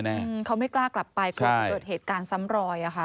เขาไม่กล้ากลับไปเกิดจะเกิดเหตุการณ์ซ้ำรอย